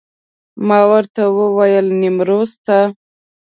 ما ورته وویل نیمروز ته.